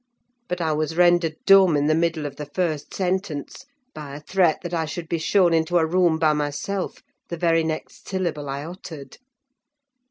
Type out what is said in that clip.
But I was rendered dumb in the middle of the first sentence, by a threat that I should be shown into a room by myself the very next syllable I uttered.